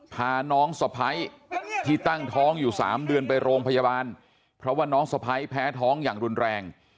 พาน้องสะพ้ายที่ตั้งท้องอยู่๓เดือนไปโรงพยาบาลเพราะว่าน้องสะพ้ายแพ้ท้องอย่างรุนแรง